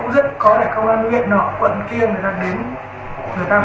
cái dấu của anh